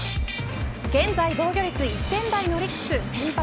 現在防御率１点台のオリックス先発